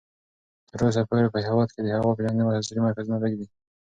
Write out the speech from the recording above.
تر اوسه پورې په هېواد کې د هوا پېژندنې عصري مرکزونه لږ دي.